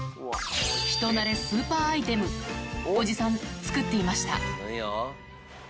人なれスーパーアイテム、おじさん、作っていました。